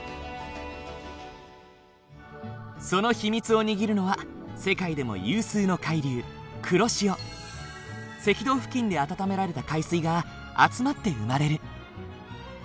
その秘密を握るのは世界でも有数の海流赤道付近で温められた海水が集まって生まれる。